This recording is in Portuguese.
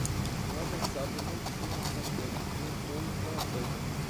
Um homem sábio não precisa de conselho, e um tolo não aceita.